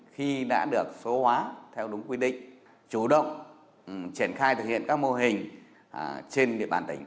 khi đã được số hóa theo đúng quy định chủ động triển khai thực hiện các mô hình trên địa bàn tỉnh